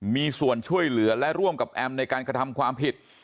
มีส่วนช่วยเหลือและร่วมกับแอมในการกระทำความผิด